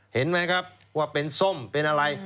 เห็นไหมครับว่าเป็นส้มเป็นอะไร